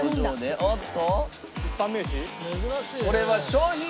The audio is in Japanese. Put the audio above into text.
おっと？